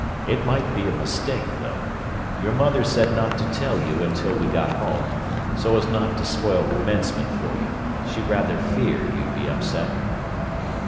"It might be a mistake, though. Your mother said not to tell you until we got home, so as not to spoil commencement for you. She rather feared you'd be upset."